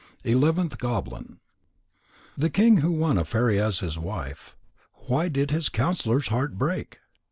ELEVENTH GOBLIN _The King who won a Fairy as his Wife. Why did his counsellor's heart break?